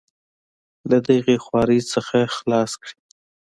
له دغې خوارۍ څخه خلاص کړي.